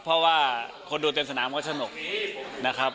เพราะว่าคนดูเต็มสนามก็สนุกนะครับ